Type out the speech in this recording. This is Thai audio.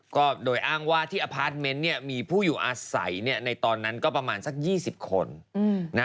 ก็โดยอ้างว่าที่อพาร์ทเมนต์เนี่ยมีผู้อยู่อาศัยในตอนนั้นก็ประมาณสัก๒๐คน